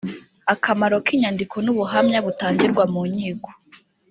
akamaro k inyandiko n ubuhamya butangirwa mu nkiko